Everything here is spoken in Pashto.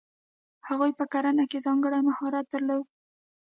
هغوی په کرنه کې ځانګړی مهارت درلود.